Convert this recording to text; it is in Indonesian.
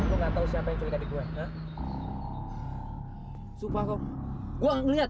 gua nggak tahu dan gua nggak ngelihat